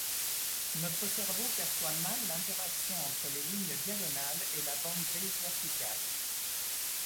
Notre cerveau perçoit mal l'interaction entre les lignes diagonales et la bande grise verticale.